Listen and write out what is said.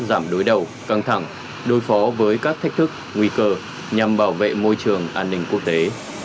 giảm đối đầu căng thẳng đối phó với các thách thức nguy cơ nhằm bảo vệ môi trường an ninh quốc tế